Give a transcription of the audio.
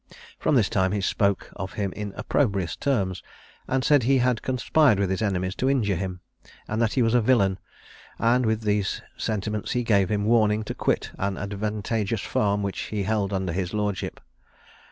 From this time he spoke of him in opprobrious terms, and said he had conspired with his enemies to injure him, and that he was a villain; and with these sentiments he gave him warning to quit an advantageous farm which he held under his lordship.